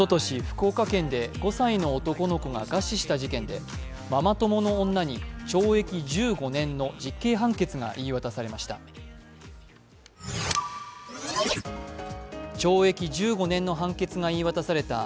福岡県で５歳の男の子が餓死した事件で餓死した事件で、ママ友の女に懲役１５年の実刑判決が言い渡されました。